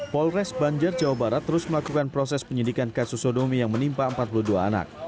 polres banjar jawa barat terus melakukan proses penyidikan kasus sodomi yang menimpa empat puluh dua anak